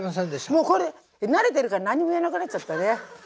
もうこれ慣れてるから何にも言わなくなっちゃったね。